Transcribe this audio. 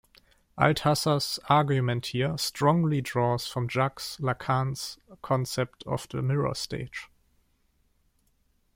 Althusser's argument here strongly draws from Jacques Lacan's concept of the mirror stage.